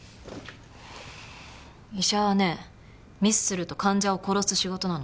医者はねミスすると患者を殺す仕事なの。